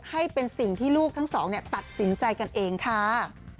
ให้เป็นสิ่งที่ลูกทั้งสองตัดสินใจกันเองค่ะ